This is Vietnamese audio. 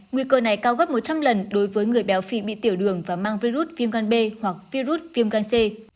nguy cơ này cao gấp một trăm linh lần đối với người béo phì bị tiểu đường và mang virus viêm gan b hoặc virus viêm gan c